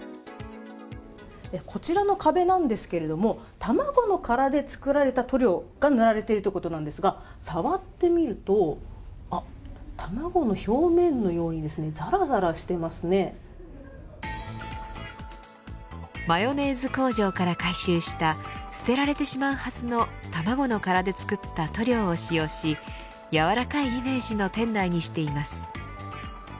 こちらの壁なんですけども卵の殻で作られた塗料が塗られているということなんですが触ってみると卵の表面のようにマヨネーズ工場から回収した捨てられてしまうはずの卵の殻で作った塗料を使用し柔らかいイメージの店内にしています。